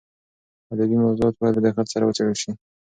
ادبي موضوعات باید په دقت سره وڅېړل شي.